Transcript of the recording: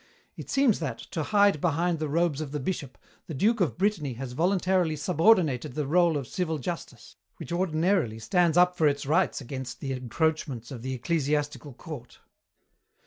It seems that, to hide behind the robes of the Bishop, the duke of Brittany has voluntarily subordinated the rôle of civil justice, which ordinarily stands up for its rights against the encroachments of the ecclesiastical court.